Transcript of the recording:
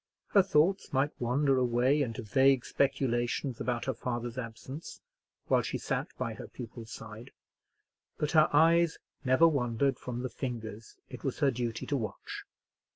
Her thoughts might wander away into vague speculations about her father's absence while she sat by her pupil's side; but her eyes never wandered from the fingers it was her duty to watch.